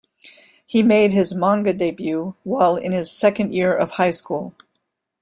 He made his manga debut while in his second year of high school.